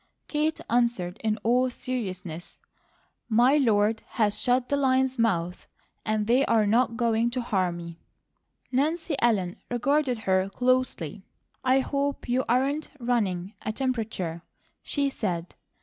Kate answered in all seriousness: "My Lord has 'shut the lions' mouths,' and they are not going to harm me." Nancy Ellen regarded her closely. "I hope you aren't running a temperature," she said.